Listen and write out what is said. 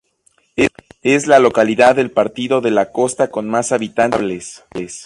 Es la localidad del Partido de La Costa con más habitantes estables.